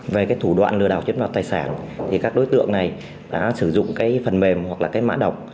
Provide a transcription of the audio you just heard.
về thủ đoạn lừa đảo chiếm đoạt tài sản các đối tượng này đã sử dụng phần mềm hoặc mã đọc